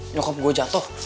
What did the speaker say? nyokap gue jatuh